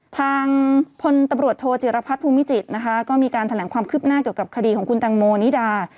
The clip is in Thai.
ทางพลตำรวจโทจิรพัฒน์ภูมิจิตรนะคะก็มีการแถลงความคืบหน้าเกี่ยวกับคดีของคุณตังโมนิดา